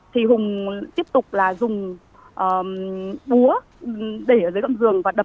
thì hùng tiếp tục là dùng búa để ở dưới cận giường và đập